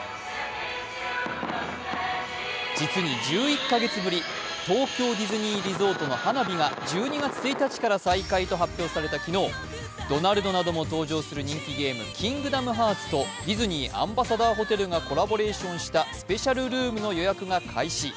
実に１１カ月ぶり、東京ディズニーリゾートの花火が１２月１日から再開と発表された昨日、ドナルドなども登場する人気ゲーム、「キングダムハーツ」とディズニーアンバサダーホテルがコラボレーションしたスペシャルルームの予約が開始